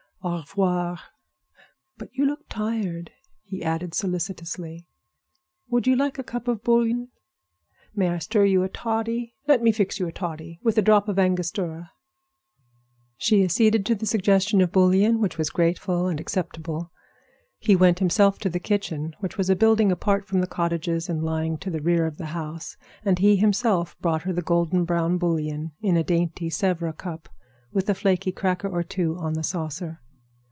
Au revoir. But you look tired," he added, solicitously. "Would you like a cup of bouillon? Shall I stir you a toddy? Let me mix you a toddy with a drop of Angostura." She acceded to the suggestion of bouillon, which was grateful and acceptable. He went himself to the kitchen, which was a building apart from the cottages and lying to the rear of the house. And he himself brought her the golden brown bouillon, in a dainty Sèvres cup, with a flaky cracker or two on the saucer.